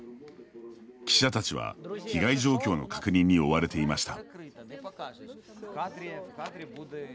記者たちは被害状況の確認に追われていました。